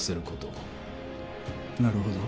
なるほど。